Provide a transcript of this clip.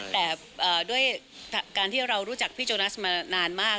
แต่ด้วยการที่เรารู้จักพี่โจนัสมานานมาก